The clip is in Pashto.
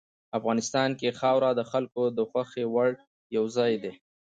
افغانستان کې خاوره د خلکو د خوښې وړ یو ځای دی.